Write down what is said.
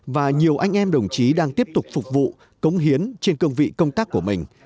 và nhiều anh em đồng chí đang tiếp tục phục vụ cống hiến trên cương vị công tác của mình